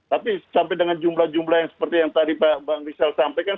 tapi sampai dengan jumlah jumlah yang seperti yang tadi pak bang rizal sampaikan